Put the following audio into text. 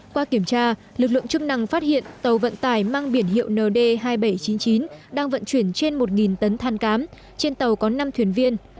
qua kiểm tra lực lượng chức năng phát hiện tàu vận tải mang biển hiệu nd hai nghìn bảy trăm chín mươi chín đang vận chuyển trên một tấn than cám trên tàu có năm thuyền viên